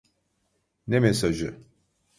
Ne mesajı?